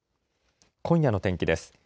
今夜の天気です。